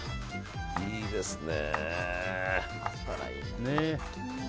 いいですね。